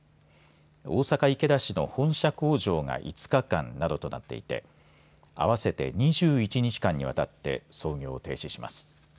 大阪池田市の本社工場が５日間などとなっていて合わせて２１日間にわたって操業を停止します。